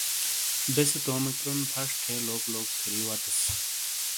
بیسے تومے کروم پھش تھے لوک لوکے پھری وتیس۔